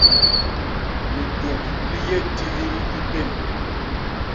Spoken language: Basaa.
Lituk li yé tihil i pén.